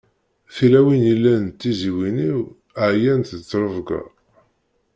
Tilawin yellan d tizziwin-iw ɛeyyant deg ttrebga.